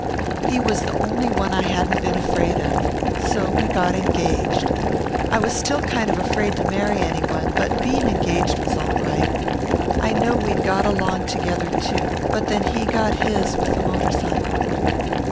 He was the only one I hadn't been afraid of. So we got engaged. I was still kind of afraid to marry any one, but being engaged was all right. I know we'd got along together, too, but then he got his with a motorcycle.